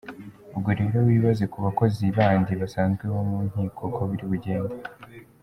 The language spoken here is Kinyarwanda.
Ubwo rero wibaze ku bakozi bandi basanzwe bo mu nkiko uko biri bugende.